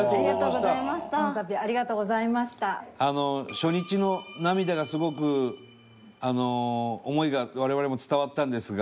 初日の涙がすごく思いが我々も伝わったんですが。